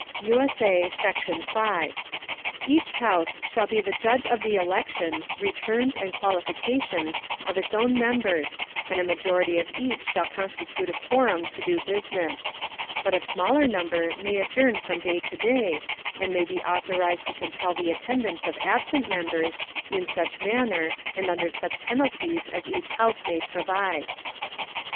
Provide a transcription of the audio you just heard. [USA] Section 5. Each House shall be the Judge of the Elections, Returns and Qualifications of its own Members and a Majority of each shall constitute a Quorum to do Business; but a smaller Number may adjourn from day to day, and may be authorized to compel the Attendance of absent Members, in such Manner, and under such Penalties as each House may provide.